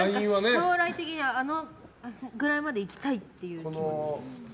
将来的にはあのぐらいまでいきたい気持ち。